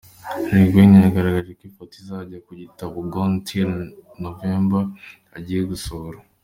Lil Wayne yagaragaje ifoto izajya ku gitabo "Gone Till November" agiye gusohora.